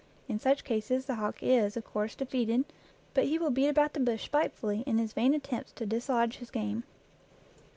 In such cases the hawk is, of course, defeated, but he will beat about the bush spitefully in his vain attempts to dislodge his game.